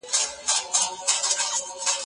ایا ته د دې رومان په هکله نور څه اورېدل غواړې؟